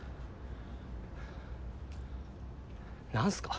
何すか。